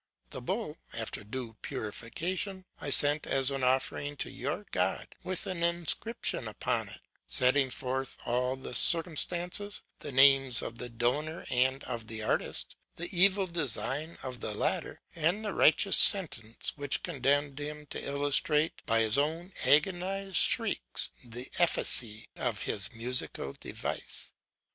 The bull, after due purification, I sent as an offering to your God, with an inscription upon it, setting forth all the circumstances; the names of the donor and of the artist, the evil design of the latter, and the righteous sentence which condemned him to illustrate by his own agonized shrieks the efficacy of his musical device.